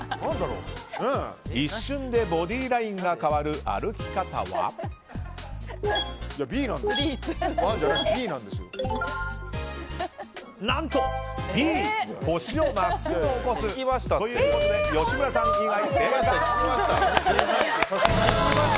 一瞬でボディーラインが変わる歩き方は何と、Ｂ腰を真っすぐ起こす。ということで吉村さん以外正解！